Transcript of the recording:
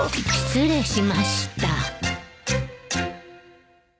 失礼しました。